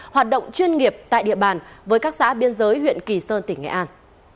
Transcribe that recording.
hoạt động chuyên nghiệp tại địa bàn với các xã biên giới huyện kỳ sơn tỉnh nghệ an